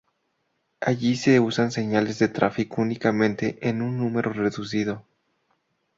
Allí se usan señales de tráfico únicamente en un número reducido.